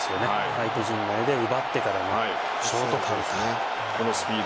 相手陣内で奪ってからのショートカウンター。